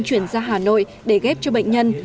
chuyển ra hà nội để ghép cho bệnh nhân